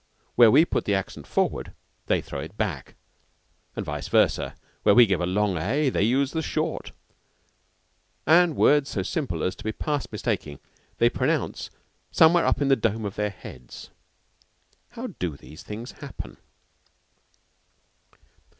Where we put the accent forward they throw it back, and vice versa where we give the long "a" they use the short, and words so simple as to be past mistaking they pronounce somewhere up in the dome of their heads. How do these things happen?